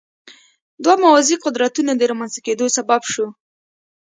دوه موازي قدرتونو د رامنځته کېدو سبب شو.